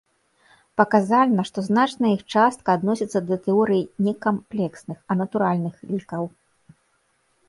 Паказальна, што значная іх частка адносіцца да тэорыі не камплексных, а натуральных лікаў.